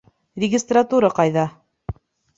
Регистратура ҡайҙа?